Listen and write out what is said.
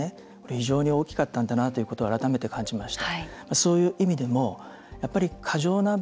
非常に大きかったんだなと改めて、感じました。